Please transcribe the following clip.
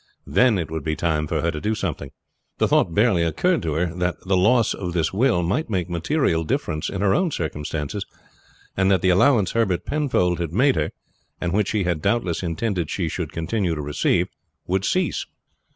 Then it would be time for her to do something. The thought barely occurred to her that the loss of this will might make material difference in her own circumstances, and that the allowance Herbert Penfold had made her, and which he had doubtless intended she should continue to receive, would cease.